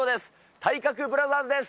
体格ブラザーズです。